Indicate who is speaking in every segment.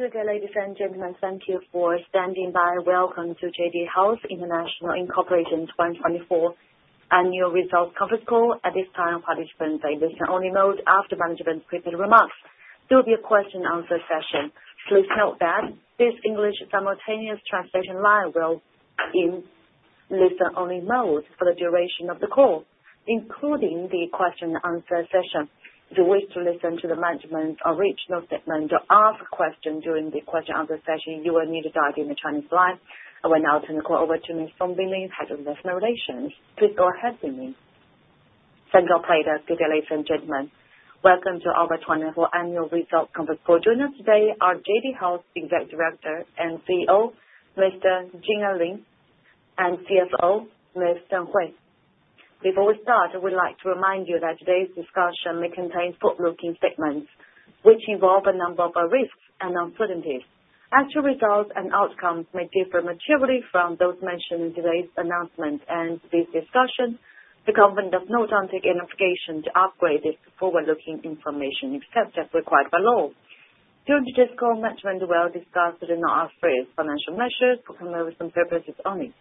Speaker 1: Good day, ladies and gentlemen. Thank you for standing by. Welcome to JD Health International Inc.'s 2024 Annual Results Conference Call. At this time, participants are in listen-only mode after management's prepared remarks. There will be a question-and-answer session. Please note that this English simultaneous translation line will be in listen-only mode for the duration of the call, including the question-and-answer session. If you wish to listen to the management's original statement or ask a question during the question-and-answer session, you will need to dial in the Chinese line. I will now turn the call over to Ms. Song Bingling, Head of Investment Relations. Please go ahead with me.
Speaker 2: Thank you all for your attention. Good day, ladies and gentlemen. Welcome to our 2024 Annual Results Conference Call. Joining us today are JD Health's Executive Director and CEO, Mr. Jin Enlin, and CFO, Ms. Deng Hui. Before we start, we'd like to remind you that today's discussion may contain forward-looking statements which involve a number of risks and uncertainties. Actual results and outcomes may differ materially from those mentioned in today's announcement and today's discussion. The Company does not undertake any obligation to update this forward-looking information except as required by law. During today's call, management will discuss the non-GAAP financial measures for comparison purposes only.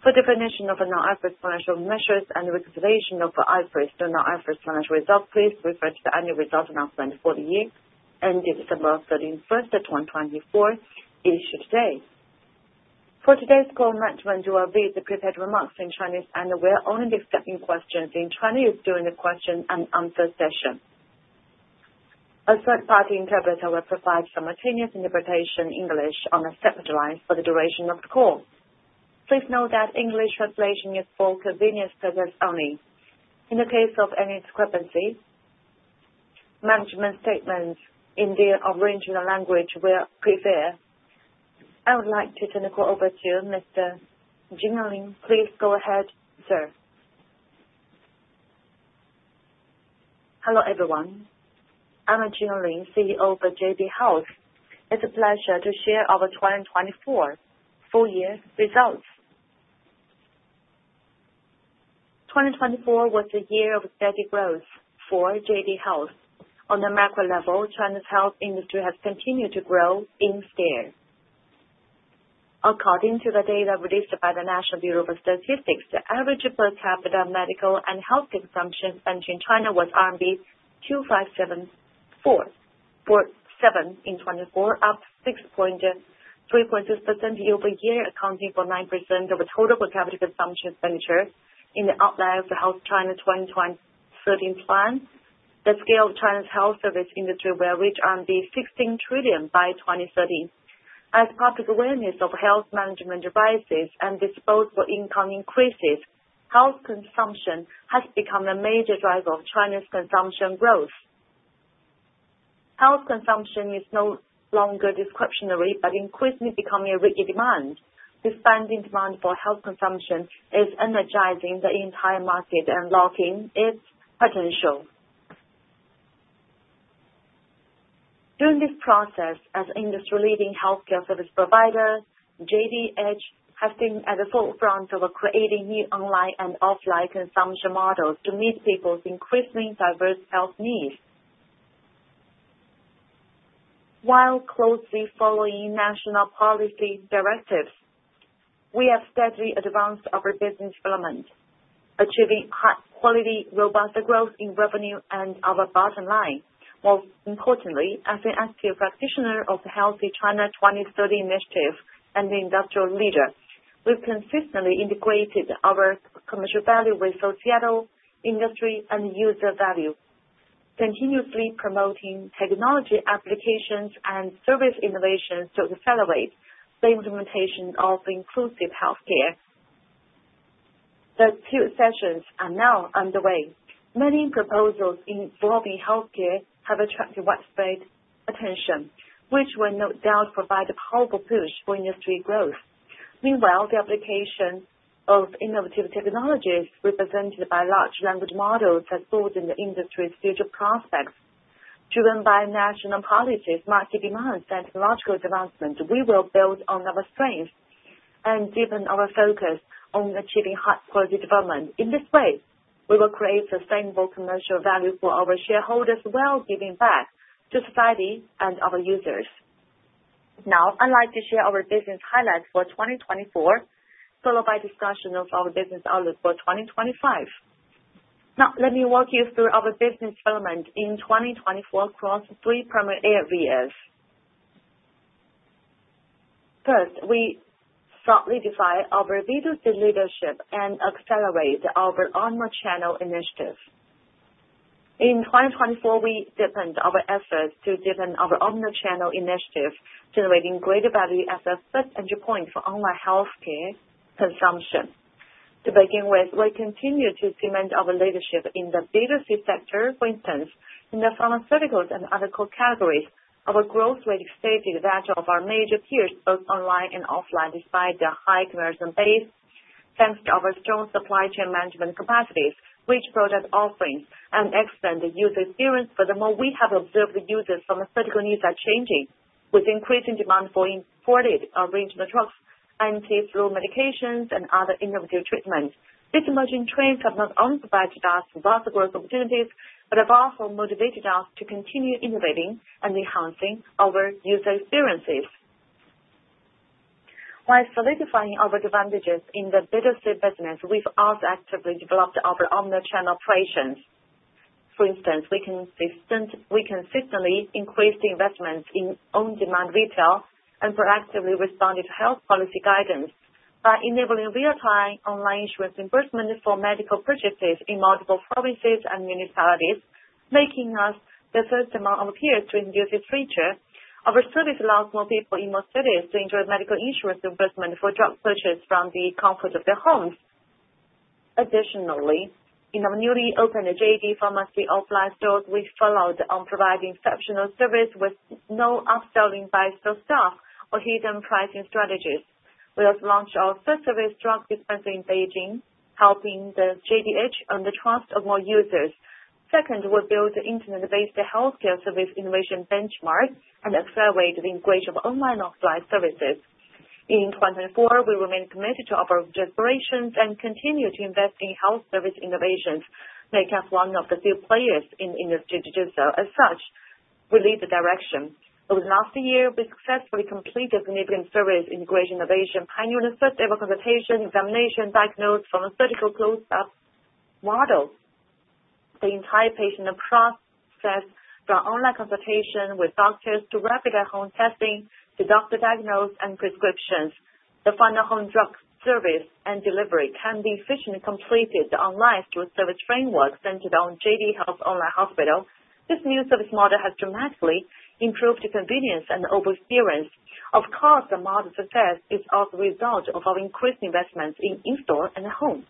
Speaker 2: For definitions of non-GAAP financial measures and reconciliations of GAAP to non-GAAP financial results, please refer to the Annual Results Announcement for the year ending December 31st, 2024, issued today. For today's call, management will read the prepared remarks in Chinese and will only discuss any questions in Chinese during the question-and-answer session. A third-party interpreter who will provide simultaneous interpretation in English on a separate line for the duration of the call. Please note that English translation is for convenience purposes only. In the case of any discrepancy, management's statements in the original language will prevail. I would like to turn the call over to Mr. Enlin Jin. Please go ahead, sir.
Speaker 3: Hello everyone. I'm Enlin Jin, CEO for JD Health. It's a pleasure to share our 2024 full-year results. 2024 was a year of steady growth for JD Health. On a macro level, China's health industry has continued to grow in stride. According to the data released by the National Bureau of Statistics, the average per capita medical and health consumption spending in China was RMB 2,574.7 in 2024, up 6.36% year-over-year, accounting for 9% of the total per capita consumption spending in the outline of the Healthy China 2030 plan. The scale of China's health service industry will reach 16 trillion by 2030. As public awareness of health management rises and disposable income increases, health consumption has become a major driver of China's consumption growth. Health consumption is no longer discretionary but increasingly becoming a rigid demand. The spending demand for health consumption is energizing the entire market and unlocking its potential. During this process, as an industry-leading healthcare service provider, JDH has been at the forefront of creating new online and offline consumption models to meet people's increasingly diverse health needs. While closely following national policy directives, we have steadily advanced our business development, achieving high-quality, robust growth in revenue and our bottom line. More importantly, as an active practitioner of the Healthy China 2030 initiative and the industrial leader, we've consistently integrated our commercial value with societal industry and user value, continuously promoting technology applications and service innovations to accelerate the implementation of inclusive healthcare. The Two Sessions are now underway. Many proposals involving healthcare have attracted widespread attention, which will no doubt provide a powerful push for industry growth. Meanwhile, the application of innovative technologies represented by large language models has broadened the industry's future prospects. Driven by national policies, market demands, and technological development, we will build on our strengths and deepen our focus on achieving high-quality development. In this way, we will create sustainable commercial value for our shareholders while giving back to society and our users. Now, I'd like to share our business highlights for 2024, followed by discussion of our business outlook for 2025. Now, let me walk you through our business development in 2024 across three primary areas. First, we sharply defined our previous leadership and accelerated our omnichannel initiative. In 2024, we deepened our efforts to deepen our omnichannel initiative, generating greater value as a first-entry point for online healthcare consumption. To begin with, we continue to cement our leadership in the B2C sector. For instance, in the pharmaceuticals and other core categories, our growth rate exceeded that of our major peers, both online and offline, despite the high comparison base. Thanks to our strong supply chain management capacities, rich product offerings, and excellent user experience. Furthermore, we have observed the user's pharmaceutical needs are changing with increasing demand for imported or regional drugs, anti-flu medications, and other innovative treatments. These emerging trends have not only provided us with vast growth opportunities but have also motivated us to continue innovating and enhancing our user experiences. While solidifying our advantages in the B2C business, we've also actively developed our omnichannel operations. For instance, we consistently increased investments in on-demand retail and proactively responded to health policy guidance by enabling real-time online insurance reimbursement for medical purchases in multiple provinces and municipalities, making us the first among our peers to introduce this feature. Our service allows more people in more cities to enjoy medical insurance reimbursement for drug purchases from the comfort of their homes. Additionally, in our newly opened JD Pharmacy offline stores, we followed on providing exceptional service with no upselling by store staff or hidden pricing strategies. We also launched our first service drug dispenser in Beijing, helping the JDH earn the trust of more users. Second, we built an internet-based healthcare service innovation benchmark and accelerated the integration of online and offline services. In 2024, we remain committed to our aspirations and continue to invest in health service innovations, making us one of the few players in the industry to do so. As such, we lead the direction. Over the last year, we successfully completed significant service integration innovation pioneering first-ever consultation, examination, diagnosis, pharmaceutical closed-loop model. The entire patient process, from online consultation with doctors to rapid at-home testing, to doctor diagnosis and prescriptions, the final home drug service and delivery can be efficiently completed online through a service framework centered on JD Health Online Hospital. This new service model has dramatically improved convenience and overall experience. Of course, the model success is also a result of our increased investments in in-store and at-home.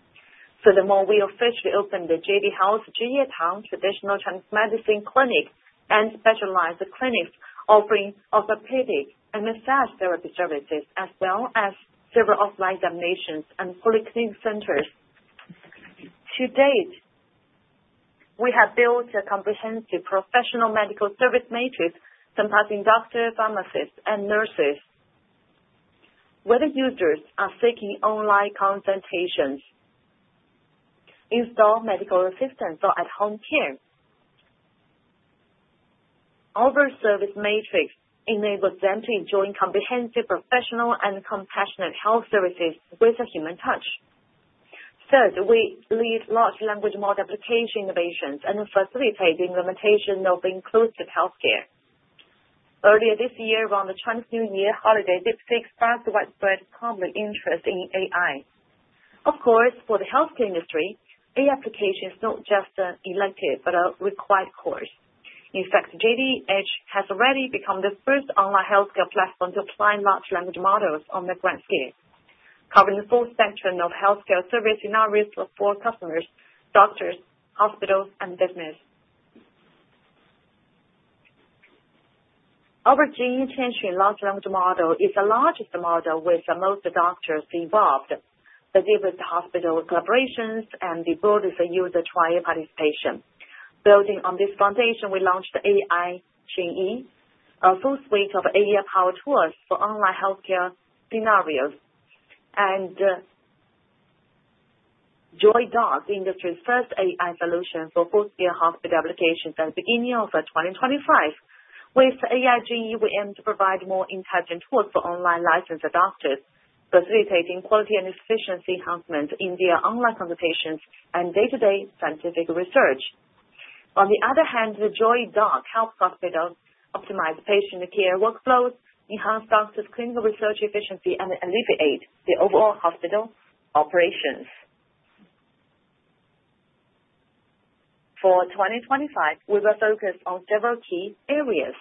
Speaker 3: Furthermore, we officially opened the JD Health Guoyitang Traditional Chinese Medicine Clinic and specialized clinics, offering orthopedic and massage therapy services, as well as several offline examinations and fully clean centers. To date, we have built a comprehensive professional medical service matrix comprising doctors, pharmacists, and nurses. Whether users are seeking online consultations, in-store medical assistance, or at-home care, our service matrix enables them to enjoy comprehensive, professional, and compassionate health services with a human touch. Third, we lead large language model application innovations and facilitate the implementation of inclusive healthcare. Earlier this year, around the Chinese New Year holiday, DeepSeek expressed widespread public interest in AI. Of course, for the healthcare industry, AI application is not just an elective but a required course. In fact, JDH has already become the first online healthcare platform to apply large language models on the grand scale, covering the full spectrum of healthcare service scenarios for customers, doctors, hospitals, and business. Our Jingyi Qianxun large language model is the largest model with most doctors involved. The deepest hospital collaborations and the broadest user trial participation. Building on this foundation, we launched the AI Jingyi, a full suite of AI-powered tools for online healthcare scenarios, and Joy Doc, the industry's first AI solution for full-scale hospital applications at the beginning of 2025. With AI Jingyi, we aim to provide more intelligent tools for online licensed doctors, facilitating quality and efficiency enhancements in their online consultations and day-to-day scientific research. On the other hand, the Joy Doc helps hospitals optimize patient care workflows, enhance doctors' clinical research efficiency, and alleviate the overall hospital operations. For 2025, we will focus on several key areas.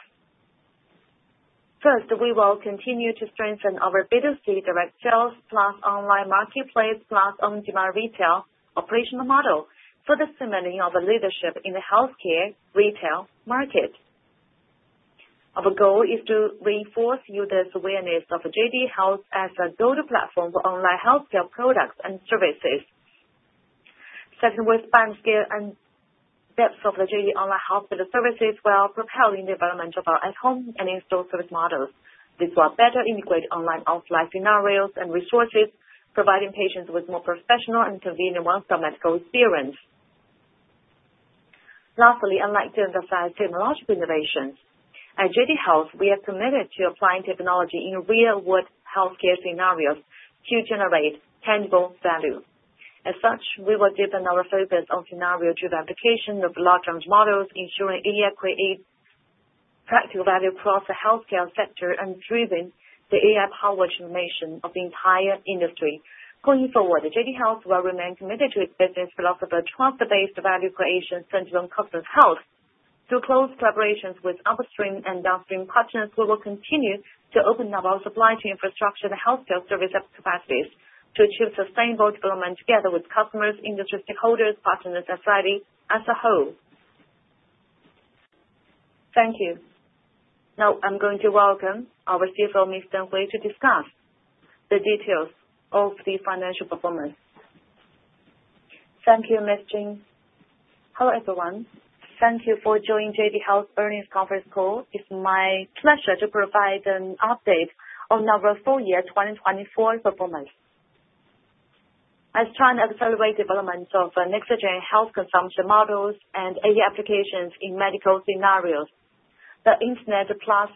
Speaker 3: First, we will continue to strengthen our B2C direct sales plus online marketplace plus on-demand retail operational model for the cementing of leadership in the healthcare retail market. Our goal is to reinforce users' awareness of JD Health as a go-to platform for online healthcare products and services. Second, we'll expand the scale and depth of the JD Online Hospital services while propelling the development of our at-home and in-store service models. This will better integrate online and offline scenarios and resources, providing patients with more professional and convenient on-store medical experience. Lastly, I'd like to emphasize technological innovations. At JD Health, we are committed to applying technology in real-world healthcare scenarios to generate tangible value. As such, we will deepen our focus on scenario-driven application of large language models, ensuring AI creates practical value across the healthcare sector and driving the AI-powered transformation of the entire industry. Going forward, JD Health will remain committed to its business philosophy of trust-based value creation centered on customer health. Through close collaborations with upstream and downstream partners, we will continue to open up our supply chain infrastructure and healthcare service capacities to achieve sustainable development together with customers, industry stakeholders, partners, and society as a whole. Thank you. Now, I'm going to welcome our CFO, Ms. Deng, to discuss the details of the financial performance.
Speaker 4: Thank you, Mr. Jin. Hello everyone. Thank you for joining JD Health's earnings conference call. It's my pleasure to provide an update on our full-year 2024 performance. As China accelerates the development of next-gen health consumption models and AI applications in medical scenarios, the internet plus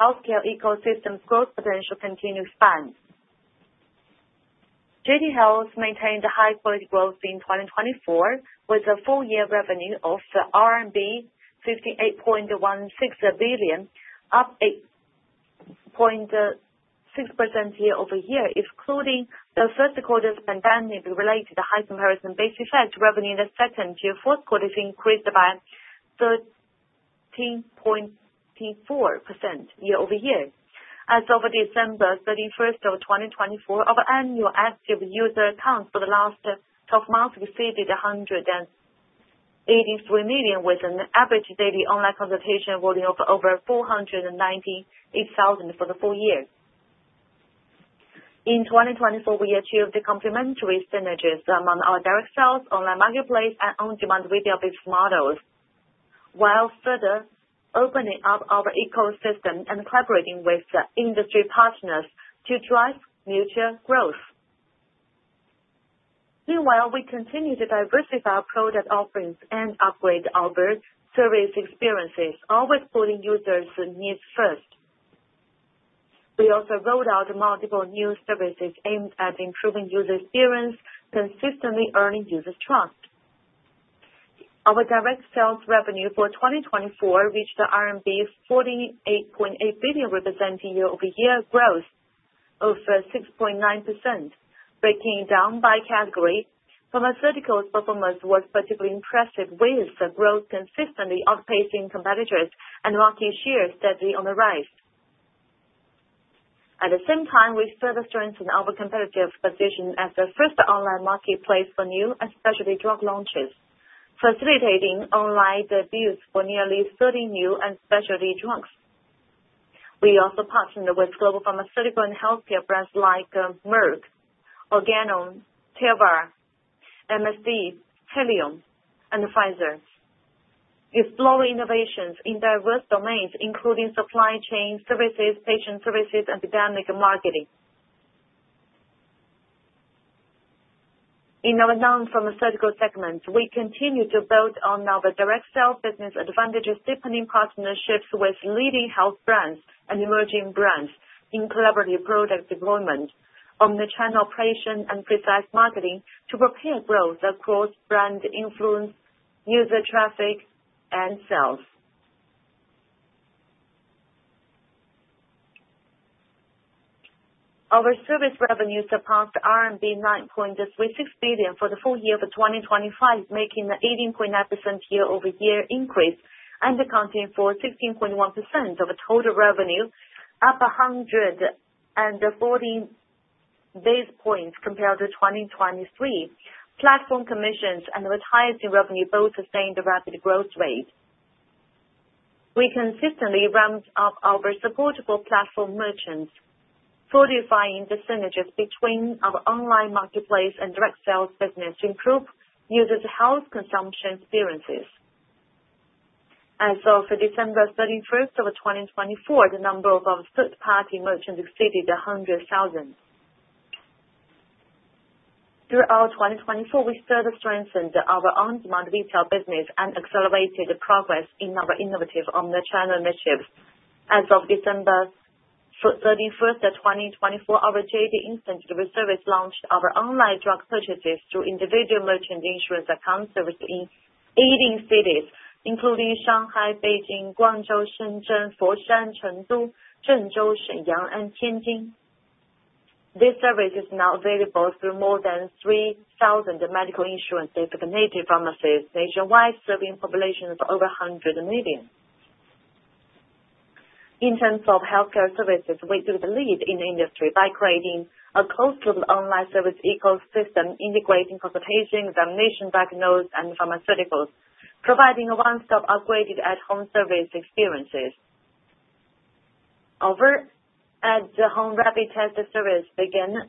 Speaker 4: healthcare ecosystem's growth potential continues to expand. JD Health maintained high-quality growth in 2024 with a full-year revenue of RMB 58.16 billion, up 8.6% year-over-year, excluding the first quarter's pandemic-related high comparison-based effect. Revenue in the second-year fourth quarter increased by 13.4% year-over-year. As of December 31, 2024, our annual active user accounts for the last 12 months exceeded 183 million, with an average daily online consultation volume of over 498,000 for the full year. In 2024, we achieved complementary synergies among our direct sales, online marketplace, and on-demand retail-based models, while further opening up our ecosystem and collaborating with industry partners to drive mutual growth. Meanwhile, we continue to diversify our product offerings and upgrade our service experiences, always putting users' needs first. We also rolled out multiple new services aimed at improving user experience, consistently earning users' trust. Our direct sales revenue for 2024 reached RMB 48.8 billion, representing year-over-year growth of 6.9%, breaking down by category. Pharmaceuticals' performance was particularly impressive, with growth consistently outpacing competitors and market share steadily on the rise. At the same time, we further strengthened our competitive position as the first online marketplace for new and specialty drug launches, facilitating online debuts for nearly 30 new and specialty drugs. We also partnered with global pharmaceutical and healthcare brands like Merck, Organon, Teva, MSD, Haleon, and Pfizer, exploring innovations in diverse domains, including supply chain services, patient services, and dynamic marketing. In our non-pharmaceutical segment, we continue to build on our direct sales business advantages, deepening partnerships with leading health brands and emerging brands in collaborative product deployment, omnichannel operation, and precise marketing to propel growth across brand influence, user traffic, and sales. Our service revenues surpassed RMB 9.36 billion for the full year of 2025, making an 18.9% year-over-year increase and accounting for 16.1% of total revenue, up 140 basis points compared to 2023. Platform commissions and retail revenue both sustained a rapid growth rate. We consistently ramped up our active platform merchants, fortifying the synergies between our online marketplace and direct sales business to improve users' health consumption experiences. As of December 31, 2024, the number of third-party merchants exceeded 100,000. Throughout 2024, we further strengthened our on-demand retail business and accelerated progress in our innovative omnichannel initiatives. As of December 31, 2024, our JD Insurance Service launched our online drug purchases through individual merchant insurance account services in 18 cities, including Shanghai, Beijing, Guangzhou, Shenzhen, Foshan, Chengdu, Zhengzhou, Shenyang, and Tianjin. This service is now available through more than 3,000 medical insurance-dedicated pharmacies nationwide, serving a population of over 100 million. In terms of healthcare services, we took the lead in the industry by creating a closed-loop online service ecosystem integrating consultation, examination, diagnosis, and pharmaceuticals, providing a one-stop upgraded at-home service experiences. Our at-home rapid testing service began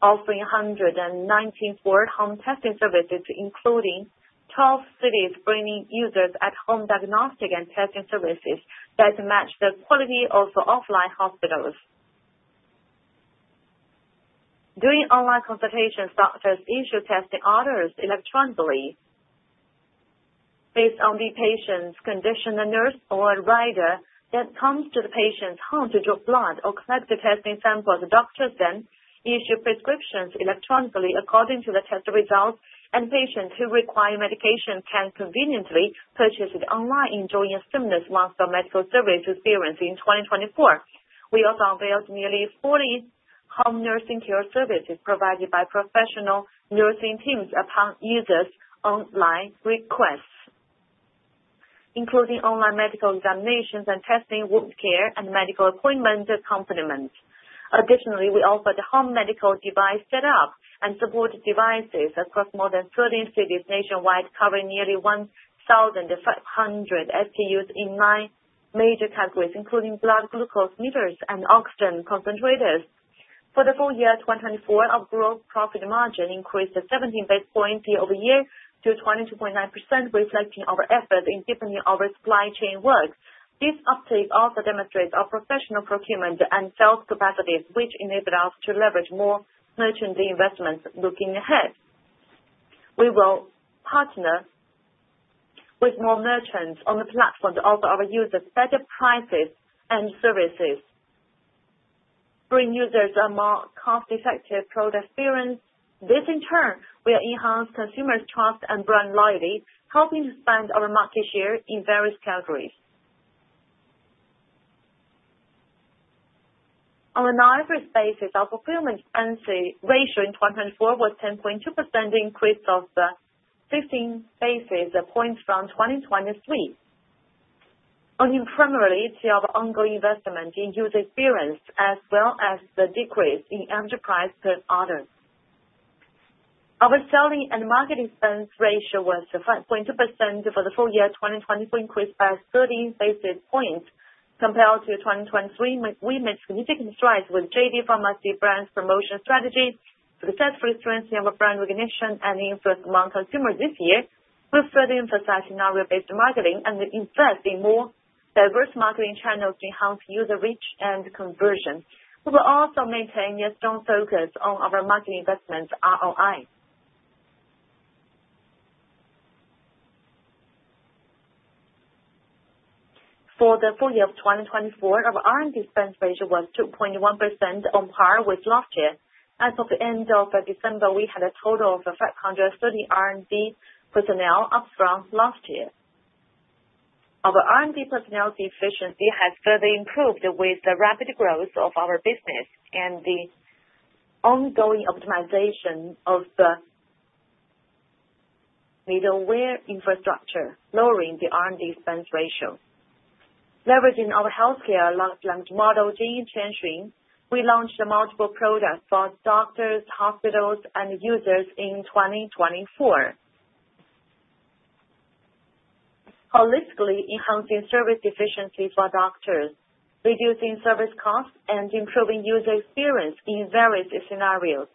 Speaker 4: offering 119 for-home testing services, including 12 cities, bringing users' at-home diagnostic and testing services that match the quality of offline hospitals. During online consultations, doctors issue testing orders electronically. Based on the patient's condition, a nurse or a rider that comes to the patient's home to draw blood or collect the testing samples, doctors then issue prescriptions electronically according to the test results, and patients who require medication can conveniently purchase it online, enjoying a seamless one-stop medical service experience in 2024. We also unveiled nearly 40 home nursing care services provided by professional nursing teams upon users' online requests, including online medical examinations and testing, wound care, and medical appointment accompaniment. Additionally, we offered home medical device setup and support devices across more than 13 cities nationwide, covering nearly 1,500 SKUs in nine major categories, including blood glucose meters and oxygen concentrators. For the full year 2024, our gross profit margin increased to 17 basis points year-over-year to 22.9%, reflecting our efforts in deepening our supply chain work. This uptick also demonstrates our professional procurement and sales capacities, which enabled us to leverage more merchant investments looking ahead. We will partner with more merchants on the platform to offer our users better prices and services, bringing users a more cost-effective product experience. This, in turn, will enhance consumers' trust and brand loyalty, helping to expand our market share in various categories. On an average basis, our fulfillment expense ratio in 2024 was 10.2%, an increase of 15 basis points from 2023, owing primarily to our ongoing investment in user experience as well as the decrease in enterprise orders. Our selling and marketing expense ratio was 5.2% for the full year 2024, increased by 13 basis points. Compared to 2023, we made significant strides with JD Pharmacy brand's promotion strategy, successfully strengthening our brand recognition and influence among consumers this year, with further emphasizing our basic marketing and investing in more diverse marketing channels to enhance user reach and conversion. We will also maintain a strong focus on our marketing investment ROI. For the full year of 2024, our R&D expense ratio was 2.1%, on par with last year. As of the end of December, we had a total of 530 R&D personnel, up from last year. Our R&D personnel efficiency has further improved with the rapid growth of our business and the ongoing optimization of the middleware infrastructure, lowering the R&D expense ratio. Leveraging our healthcare large language model Jingyi Qianxun, we launched multiple products for doctors, hospitals, and users in 2024, holistically enhancing service efficiency for doctors, reducing service costs, and improving user experience in various scenarios.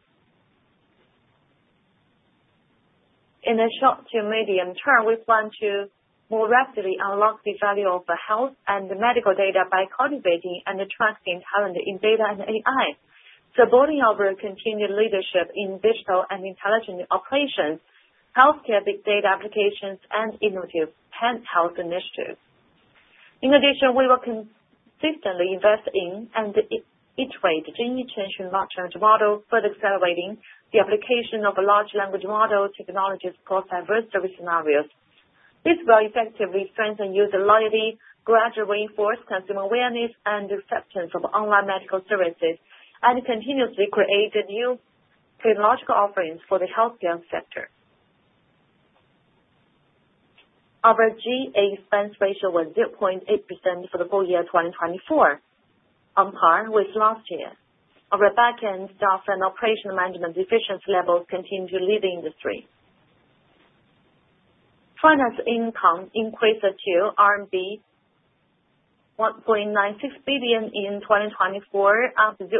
Speaker 4: In the short to medium term, we plan to more rapidly unlock the value of health and medical data by cultivating and attracting talent in data and AI, supporting our continued leadership in digital and intelligent operations, healthcare big data applications, and innovative health initiatives. In addition, we will consistently invest in and iterate the Jingyi Qianxun large language model for accelerating the application of large language model technologies across diverse service scenarios. This will effectively strengthen user loyalty, gradually reinforce consumer awareness and acceptance of online medical services, and continuously create new technological offerings for the healthcare sector. Our G&A expense ratio was 0.8% for the full year 2024, on par with last year. Our back-end staff and operation management efficiency levels continue to lead the industry. Interest income increased to RMB 1.96 billion in 2024, up 0.6%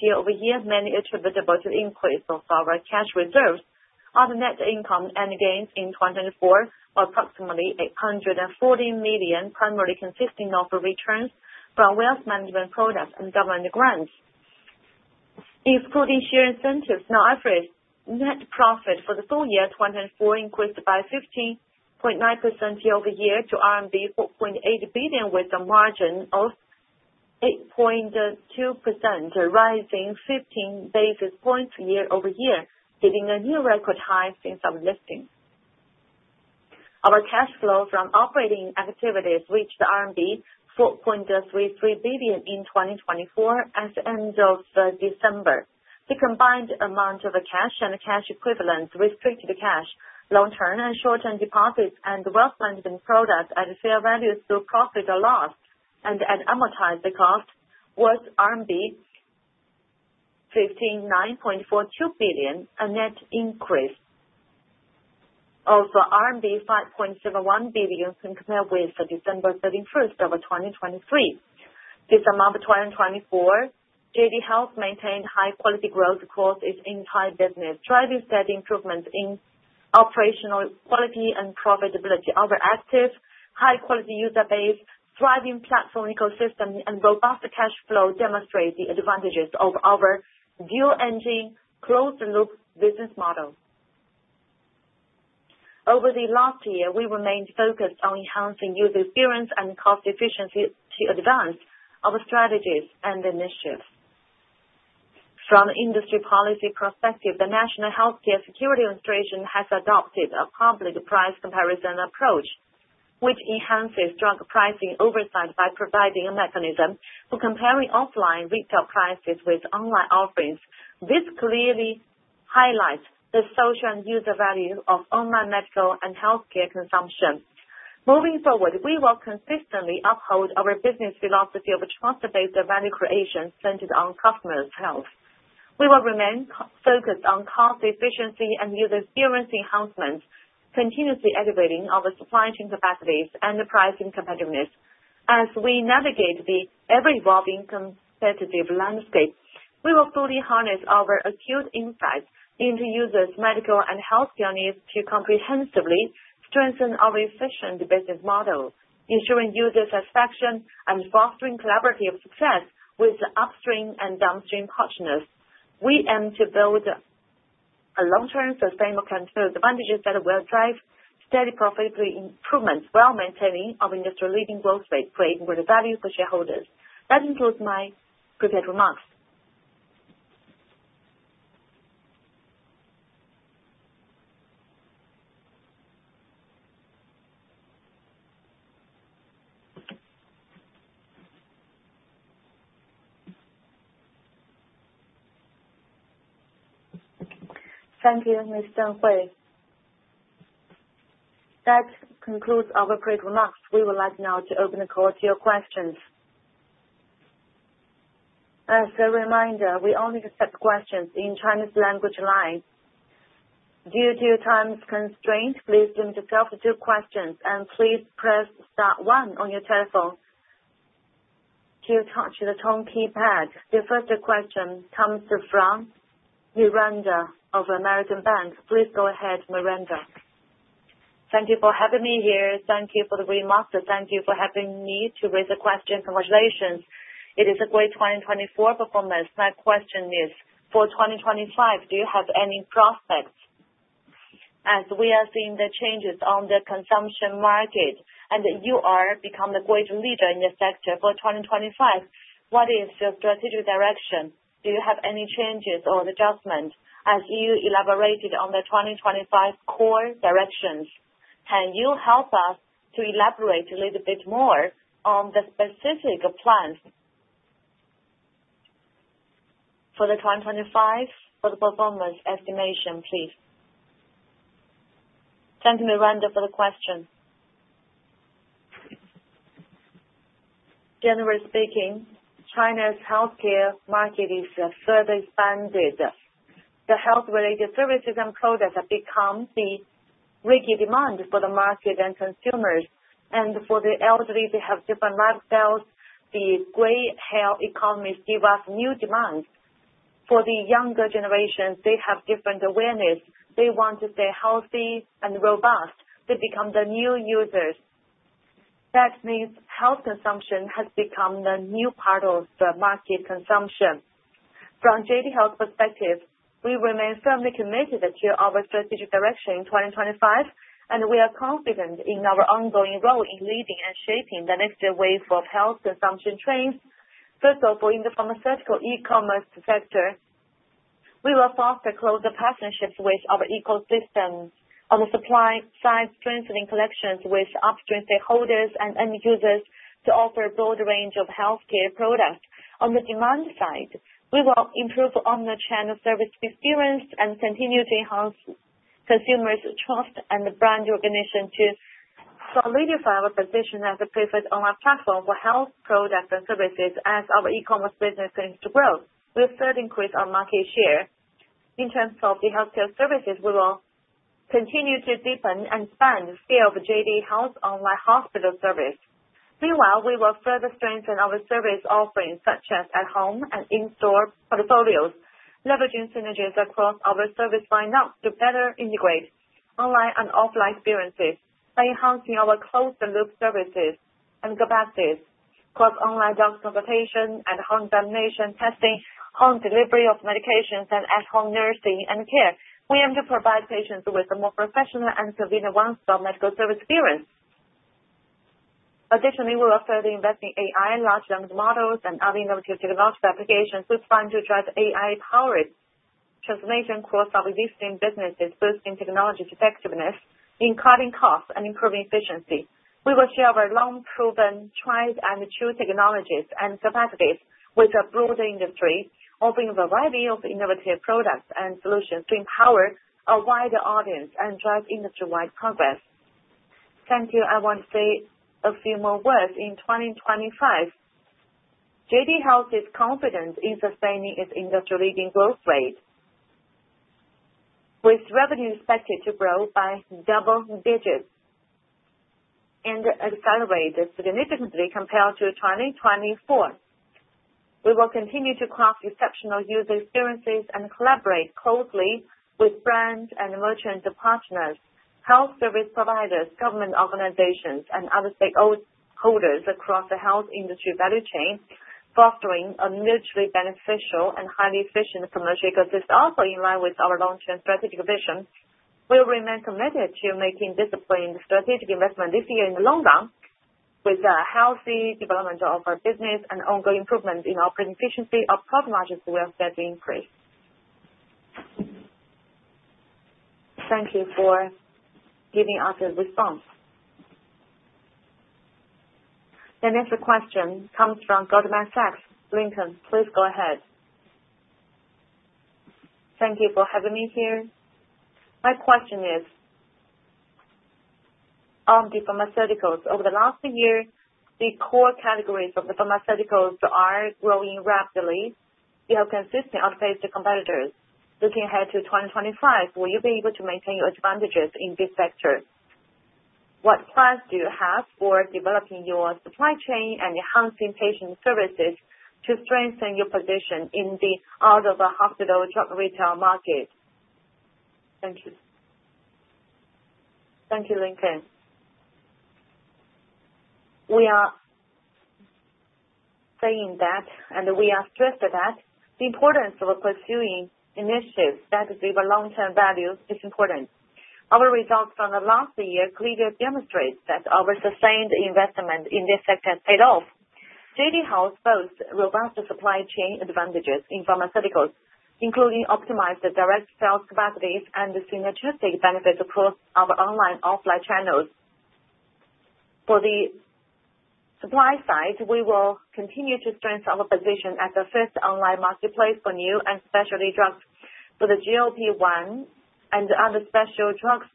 Speaker 4: year-over-year, mainly attributable to the increase of our cash reserves. Our net income and gains in 2024 were approximately 840 million, primarily consisting of returns from wealth management products and government grants, including share incentives. Now, average net profit for the full year 2024 increased by 15.9% year-over-year to RMB 4.8 billion, with a margin of 8.2%, rising 15 basis points year-over-year, hitting a new record high since our listing. Our cash flow from operating activities reached RMB 4.33 billion in 2024 at the end of December. The combined amount of cash and cash equivalents, restricted cash, long-term and short-term deposits, and wealth management products at fair values through profit or loss and at amortized cost, was 159.42 billion, a net increase of RMB 5.71 billion when compared with December 31, 2023. This summer of 2024, JD Health maintained high-quality growth across its entire business, driving steady improvements in operational quality and profitability. Our active, high-quality user base, thriving platform ecosystem, and robust cash flow demonstrate the advantages of our dual-engine, closed-loop business model. Over the last year, we remained focused on enhancing user experience and cost efficiency to advance our strategies and initiatives. From an industry policy perspective, the National Healthcare Security Administration has adopted a public price comparison approach, which enhances drug pricing oversight by providing a mechanism for comparing offline retail prices with online offerings. This clearly highlights the social and user value of online medical and healthcare consumption. Moving forward, we will consistently uphold our business philosophy of a trust-based value creation centered on customer's health. We will remain focused on cost efficiency and user experience enhancements, continuously elevating our supply chain capacities and pricing competitiveness. As we navigate the ever-evolving competitive landscape, we will fully harness our acute insights into users' medical and healthcare needs to comprehensively strengthen our efficient business model, ensuring user satisfaction and fostering collaborative success with upstream and downstream partners. We aim to build a long-term, sustainable. Those advantages that will drive steady profitability improvements, while maintaining our industry-leading growth rate, creating greater value for shareholders. That concludes my prepared remarks.
Speaker 1: Thank you, Mr. Hui. That concludes our prepared remarks. We will now open the call to your questions. As a reminder, we only accept questions in Chinese language line. Due to time constraints, please limit yourself to two questions, and please press star one on your telephone to touch the tone keypad. The first question comes from Miranda Zhuang of Bank of America. Please go ahead, Miranda.
Speaker 5: Thank you for having me here. Thank you for the remarks. Thank you for having me to raise a question. Congratulations. It is a great 2024 performance. My question is, for 2025, do you have any prospects? As we are seeing the changes on the consumption market and that you have become a great leader in the sector for 2025, what is your strategic direction? Do you have any changes or adjustments as you elaborated on the 2025 core directions? Can you help us to elaborate a little bit more on the specific plans for the 2025 performance estimation, please?
Speaker 3: Thank you, Miranda, for the question. Generally speaking, China's healthcare market is further expanded. The health-related services and products have become the rigid demand for the market and consumers, and for the elderly, they have different lifestyles. The great health economy gives us new demands. For the younger generations, they have different awareness. They want to stay healthy and robust. They become the new users. That means health consumption has become the new part of the market consumption. From JD Health's perspective, we remain firmly committed to our strategic direction in 2025, and we are confident in our ongoing role in leading and shaping the next wave of health consumption trends. First of all, in the pharmaceutical e-commerce sector, we will foster closer partnerships with our ecosystem on the supply side, strengthening connections with upstream stakeholders and end users to offer a broad range of healthcare products. On the demand side, we will improve on the channel service experience and continue to enhance consumers' trust and brand recognition to solidify our position as a preferred online platform for health products and services as our e-commerce business continues to grow. We will further increase our market share. In terms of the healthcare services, we will continue to deepen and expand the scale of JD Health's online hospital service. Meanwhile, we will further strengthen our service offerings, such as at-home and in-store portfolios, leveraging synergies across our service lineups to better integrate online and offline experiences by enhancing our closed-loop services and capacities, cross-online doctor consultation, at-home examination, testing, home delivery of medications, and at-home nursing and care. We aim to provide patients with a more professional and convenient one-stop medical service experience. Additionally, we will further invest in AI, large language models, and other innovative technological applications we plan to drive AI-powered transformation across our existing businesses, boosting technology effectiveness in cutting costs and improving efficiency. We will share our long-proven tried-and-true technologies and capacities with a broader industry, offering a variety of innovative products and solutions to empower a wider audience and drive industry-wide progress. Thank you. I want to say a few more words. In 2025, JD Health is confident in sustaining its industry-leading growth rate, with revenue expected to grow by double digits and accelerate significantly compared to 2024. We will continue to craft exceptional user experiences and collaborate closely with brands and merchants and partners, health service providers, government organizations, and other stakeholders across the health industry value chain, fostering a mutually beneficial and highly efficient commercial ecosystem, also in line with our long-term strategic vision. We will remain committed to making disciplined strategic investments this year in the long run with the healthy development of our business and ongoing improvements in operating efficiency. Our profit margins will steadily increase.
Speaker 1: Thank you for giving us your response. The next question comes from Goldman Sachs, Lincoln. Please go ahead.
Speaker 6: Thank you for having me here. My question is, of the pharmaceuticals, over the last year, the core categories of the pharmaceuticals are growing rapidly. You have consistently outpaced your competitors. Looking ahead to 2025, will you be able to maintain your advantages in this sector? What plans do you have for developing your supply chain and enhancing patient services to strengthen your position in the out-of-hospital drug retail market? Thank you.
Speaker 3: Thank you, Lincoln. We are saying that, and we are stressing that the importance of pursuing initiatives that deliver long-term value is important. Our results from the last year clearly demonstrate that our sustained investment in this sector paid off. JD Health boasts robust supply chain advantages in pharmaceuticals, including optimized direct sales capacities and synergistic benefits across our online and offline channels. For the supply side, we will continue to strengthen our position as the first online marketplace for new and specialty drugs for the GLP-1 and other special drugs,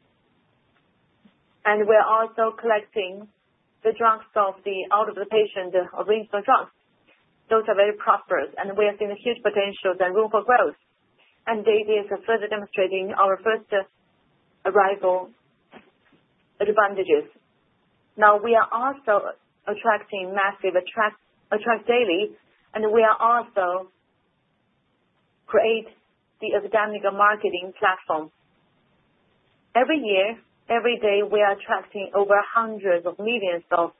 Speaker 3: and we are also collecting the drugs of the outpatient original drugs. Those are very prosperous, and we are seeing huge potentials and room for growth, and JD is further demonstrating our first arrival advantages. Now, we are also attracting massively attractive daily, and we are also creating the academic marketing platform. Every year, every day, we are attracting over hundreds of millions of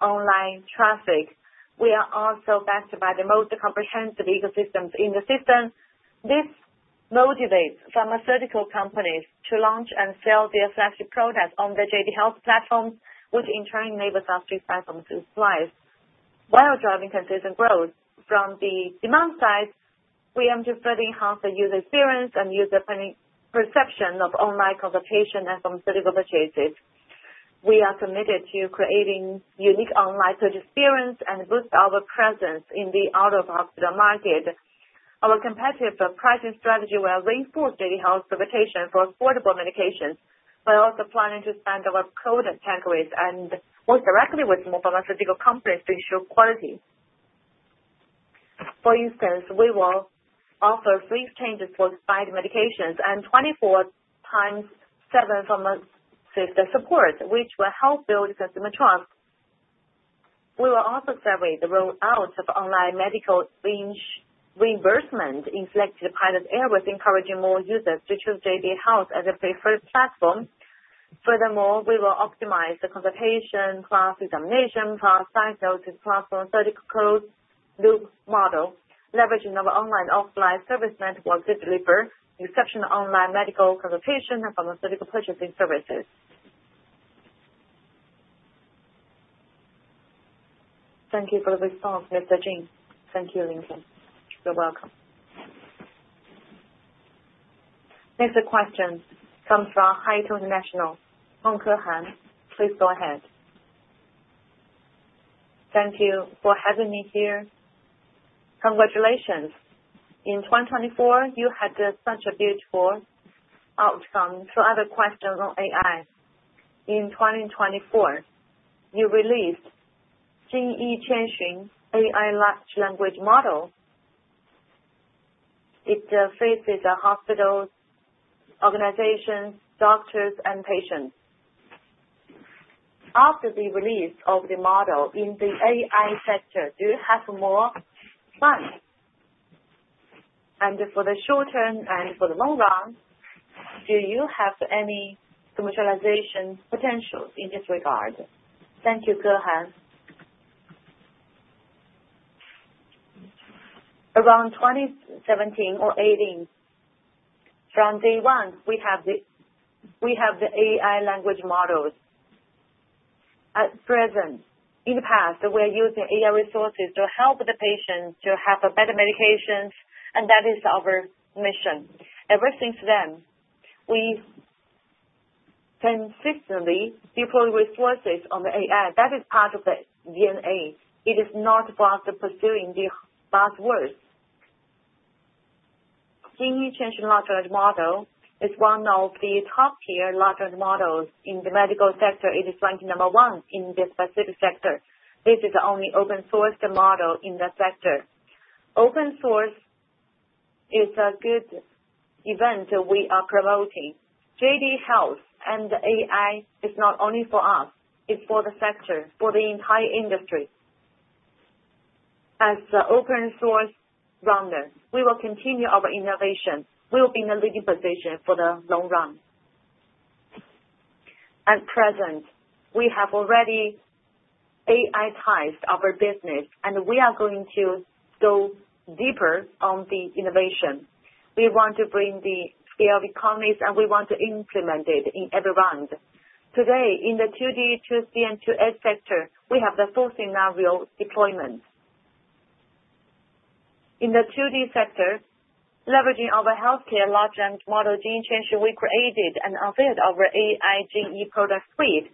Speaker 3: online traffic. We are also backed by the most comprehensive ecosystems in the system. This motivates pharmaceutical companies to launch and sell their flagship products on the JD Health platform, which in turn enables our e-retail platform to thrive. While driving consistent growth from the demand side, we aim to further enhance the user experience and user perception of online consultation and pharmaceutical purchases. We are committed to creating unique online purchase experience and boost our presence in the out-of-hospital market. Our competitive pricing strategy will reinforce JD Health's reputation for affordable medications, while also planning to expand our product categories and work directly with more pharmaceutical companies to ensure quality. For instance, we will offer free changes for expired medications and 24/7 pharmaceutical support, which will help build consumer trust. We will also accelerate the rollout of online medical reimbursement in selected pilot areas, encouraging more users to choose JD Health as a preferred platform. Furthermore, we will optimize the consultation class examination class, diagnosis class, pharmaceutical closed-loop model, leveraging our online and offline service network to deliver exceptional online medical consultation and pharmaceutical purchasing services. Thank you for the response, Mr. Jin. Thank you, Lincoln. You're welcome. Next question comes from Haitong International. Hong Ke Han, please go ahead.
Speaker 7: Thank you for having me here. Congratulations. In 2024, you had such a beautiful outcome through other questions on AI. In 2024, you released Jingyi Qianxun AI large language model. It faces hospitals, organizations, doctors, and patients. After the release of the model in the AI sector, do you have more funds? And for the short term and for the long run, do you have any commercialization potentials in this regard?
Speaker 3: Thank you, Ke Han. Around 2017 or 2018, from day one, we have the AI language models. At present, in the past, we are using AI resources to help the patients to have better medications, and that is our mission. Ever since then, we consistently deploy resources on the AI. That is part of the DNA. It is not worth pursuing the buzzwords. Jingyi Qianxun large language model is one of the top-tier large language models in the medical sector. It is ranked number one in the specific sector. This is the only open-source model in the sector. Open-source is a good event we are promoting. JD Health and AI is not only for us. It's for the sector, for the entire industry. As the open-source founder, we will continue our innovation. We will be in a leading position for the long run. At present, we have already AI-ized our business, and we are going to go deeper on the innovation. We want to bring the scale of economies, and we want to implement it in every round. Today, in the 2D, 2C, and 2S sector, we have the full scenario deployment. In the 2B sector, leveraging our healthcare large language model Jingyi Qianxun, we created and unveiled our AI Jingyi product suite,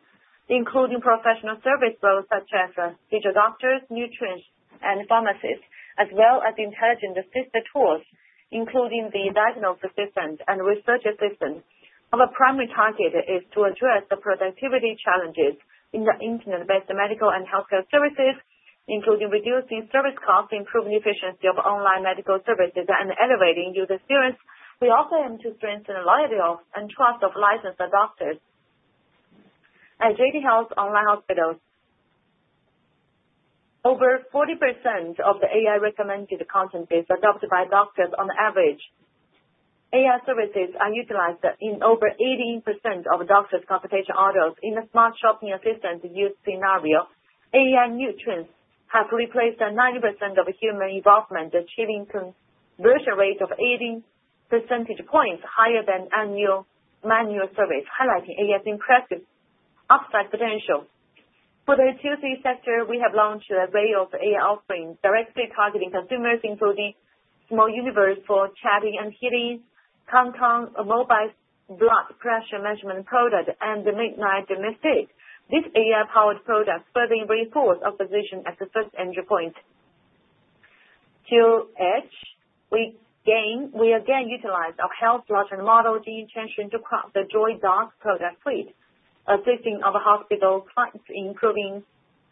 Speaker 3: including professional service roles such as digital doctors, nutritionists, and pharmacists, as well as intelligent assistant tools, including the diagnosis assistant and research assistant. Our primary target is to address the productivity challenges in the internet-based medical and healthcare services, including reducing service costs, improving efficiency of online medical services, and elevating user experience. We also aim to strengthen the loyalty and trust of licensed doctors at JD Health's online hospitals. Over 40% of the AI-recommended content is adopted by doctors on average. AI services are utilized in over 80% of doctors' consultation orders. In the smart shopping assistant use scenario, AI nutritionists have replaced 90% of human involvement, achieving conversion rates of 80 percentage points higher than any manual service, highlighting AI's impressive upside potential. For the 2C sector, we have launched a wave of AI offerings directly targeting consumers, including Small Universe for chatting and healing, Kangtong Mobile blood pressure measurement product, and the Midnight Butler. These AI-powered products further reinforce our position as the first entry point. To this end, we again utilize our health large language model Jingyi Qianxun to craft the Joy Doc product suite, assisting our hospital clients in improving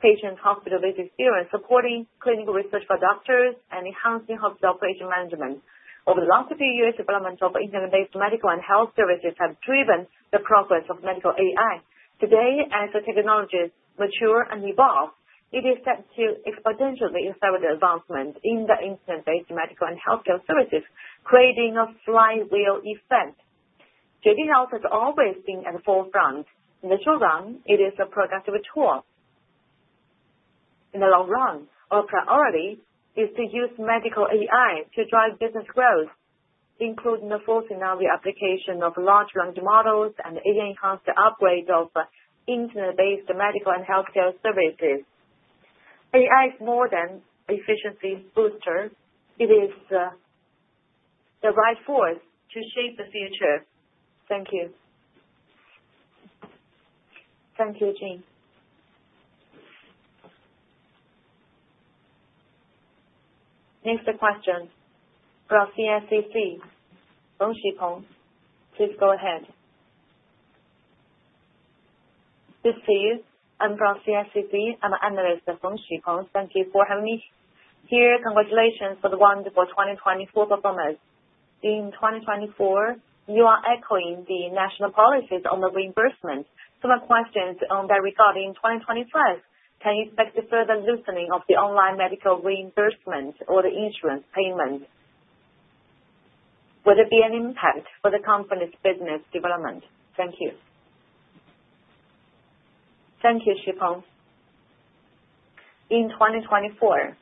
Speaker 3: patients' hospital-based experience, supporting clinical research for doctors, and enhancing hospital patient management. Over the last few years, the development of internet-based medical and health services has driven the progress of medical AI. Today, as the technologies mature and evolve, it is set to exponentially accelerate the advancement in the internet-based medical and healthcare services, creating a flywheel effect. JD Health has always been at the forefront. In the short run, it is a productive tool. In the long run, our priority is to use medical AI to drive business growth, including the full scenario application of large language models and AI-enhanced upgrades of internet-based medical and healthcare services. AI is more than an efficiency booster. It is the right force to shape the future. Thank you.
Speaker 1: Thank you, Jin. Next question from CICC, Xipeng Feng. Please go ahead.
Speaker 8: Good to see you. I'm from CICC. I'm an analyst at Xipeng Feng. Thank you for having me here. Congratulations for the wonderful 2024 performance. In 2024, you are echoing the national policies on the reimbursement. Some of the questions that are regarding 2025: Can you expect the further loosening of the online medical reimbursement or the insurance payment? Will there be an impact for the company's business development? Thank you.
Speaker 3: Thank you, Xipeng. In 2024,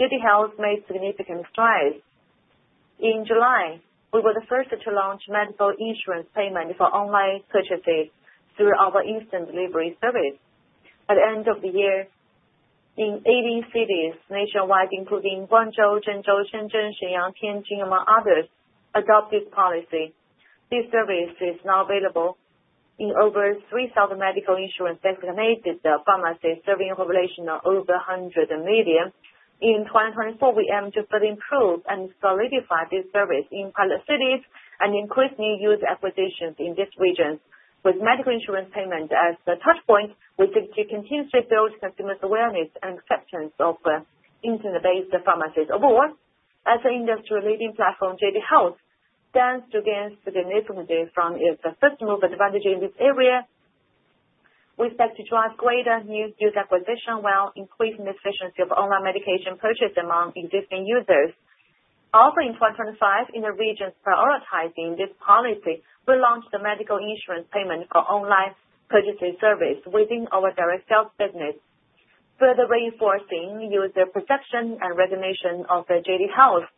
Speaker 3: JD Health made significant strides. In July, we were the first to launch medical insurance payment for online purchases through our instant delivery service. At the end of the year, in 18 cities nationwide, including Guangzhou, Zhengzhou, Shenzhen, Xinjiang, Tianjin, among others, adopted this policy. This service is now available in over 3,000 medical insurance designated pharmacies, serving a population of over 100 million. In 2024, we aim to further improve and solidify this service in pilot cities and increase new user acquisitions in these regions. With medical insurance payment as the touchpoint, we seek to continuously build consumers' awareness and acceptance of internet-based pharmacies. Overall, as an industry-leading platform, JD Health stands to gain significantly from its first-mover advantage in this area. We expect to drive greater new user acquisition while increasing the efficiency of online medication purchase among existing users. Also in 2025, in the regions prioritizing this policy, we launched the medical insurance payment for online purchasing service within our direct sales business, further reinforcing user perception and recognition of JD Health.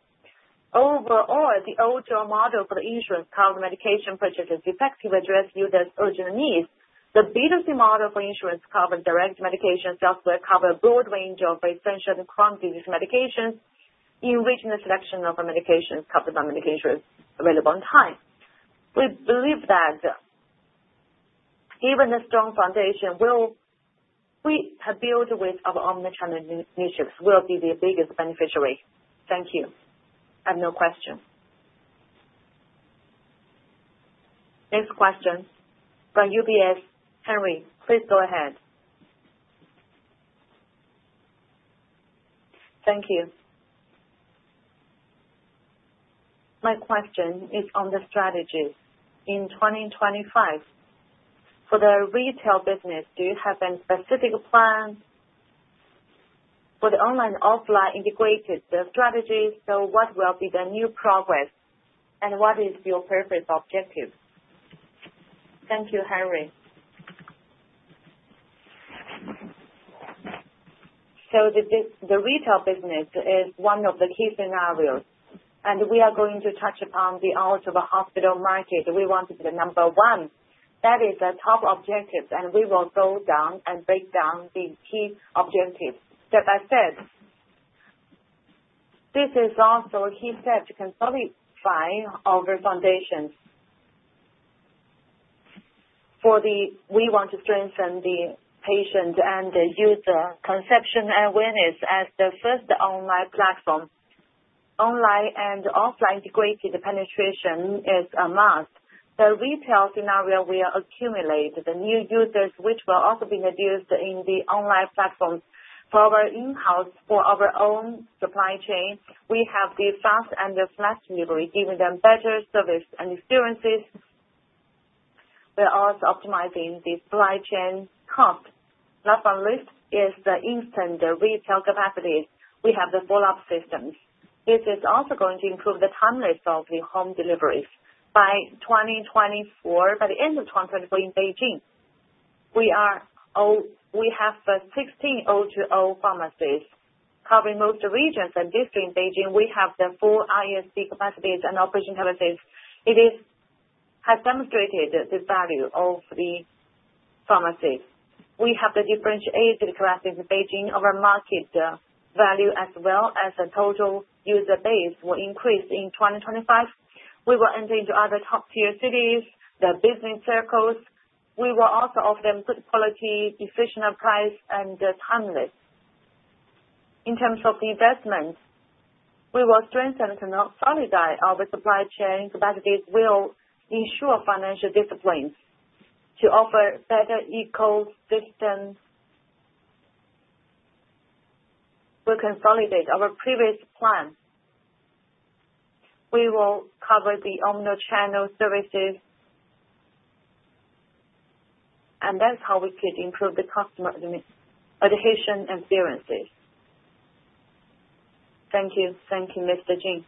Speaker 3: Overall, the older model for the insurance covered medication purchases is effective to address users' urgent needs. The B2C model for insurance covered direct medications elsewhere covers a broad range of essential and chronic disease medications, enriching the selection of medications covered by medical insurance available on time. We believe that even a strong foundation built with our omnichannel initiatives will be the biggest beneficiary.
Speaker 8: Thank you. I have no questions. Next question from UBS. Henry, please go ahead. Thank you. My question is on the strategy. In 2025, for the retail business, do you have any specific plans for the online and offline integrated strategy? So what will be the new progress, and what is your purpose objective?
Speaker 3: Thank you, Henry. So the retail business is one of the key scenarios, and we are going to touch upon the out-of-hospital market. We want to be the number one. That is our top objective, and we will go down and break down the key objectives step by step. This is also a key step to consolidate our foundations. We want to strengthen the patient and the user conception and awareness as the first online platform. Online and offline integrated penetration is a must. The retail scenario will accumulate the new users, which will also be introduced in the online platforms for our in-house, for our own supply chain. We have the fast and the flex delivery, giving them better service and experiences. We're also optimizing the supply chain cost. Last but not least is the instant retail capacity. We have the fulfillment systems. This is also going to improve the timeliness of the home deliveries. By 2024, by the end of 2024 in Beijing, we have 16 O2O pharmacies covering most regions and districts in Beijing. We have the full DTP capacities and operation capacities. It has demonstrated the value of the pharmacies. We have the differentiated capacity in Beijing. Our market value, as well as the total user base, will increase in 2025. We will enter into other top-tier cities, the business circles. We will also offer them good quality, efficient price, and timeliness. In terms of investment, we will strengthen and consolidate our supply chain capacities. We'll ensure financial discipline to offer better equal distance. We'll consolidate our previous plan. We will cover the omnichannel services, and that's how we could improve the customer adherence and experiences.
Speaker 1: Thank you. Thank you, Mr. Jin.